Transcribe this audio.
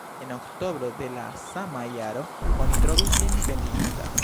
En oktobro de la sama jaro oni trovis lin pendigita.